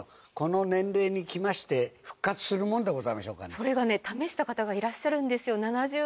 それがね試した方がいらっしゃるんですよ。